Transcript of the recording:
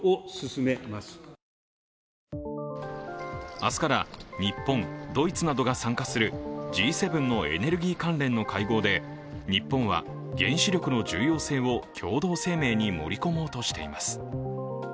明日から日本、ドイツなどが参加するＧ７のエネルギー関連の会合で日本は原子力の重要性を共同声明に盛り込もうとしています。